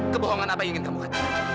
kebohongan apa yang ingin kamu hati